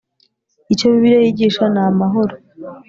Icyo Bibiliya yigisha ni amahoro